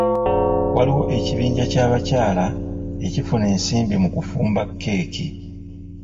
Waliwo ekibiinja ky'abakyala ekifuna ensimbi mu kufumba keeki.